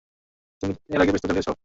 তুমি এর আগে পিস্তল চালিয়েছো?